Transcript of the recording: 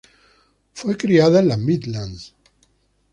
Fue criada en las Midlands.